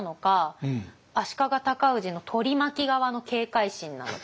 足利尊氏の取り巻き側の警戒心なのか。